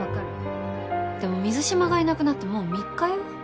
でも水島がいなくなってもう３日よ。